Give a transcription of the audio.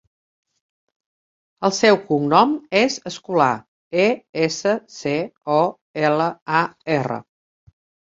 El seu cognom és Escolar: e, essa, ce, o, ela, a, erra.